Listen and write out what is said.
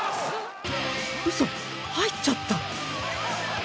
ウソ⁉入っちゃった！